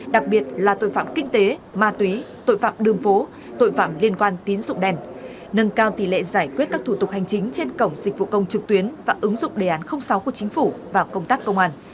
đặc biệt là tội phạm kinh tế ma túy tội phạm đường phố tội phạm liên quan tín dụng đen nâng cao tỷ lệ giải quyết các thủ tục hành chính trên cổng dịch vụ công trực tuyến và ứng dụng đề án sáu của chính phủ vào công tác công an